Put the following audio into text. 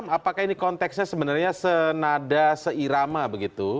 prof hikam apakah ini konteksnya sebenarnya senada seirama begitu